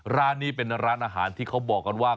ร้านนี้เป็นร้านอาหารที่เขาบอกกันว่า